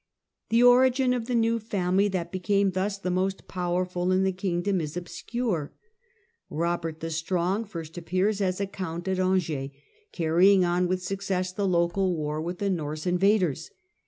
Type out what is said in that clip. The origin of the new family that became thus the most powerful in the kingdom is obscure. Eobert the Strong first appears as a Count at Angers, carrying on with success the local war with the Norse invaders.